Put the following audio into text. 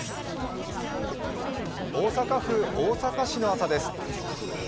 大阪府大阪市の朝です。